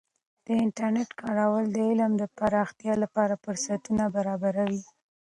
د انټرنیټ کارول د علم د پراختیا لپاره فرصتونه برابروي.